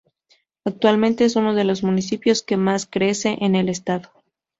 Actualmente es uno de los municipios que más crecen en el estado.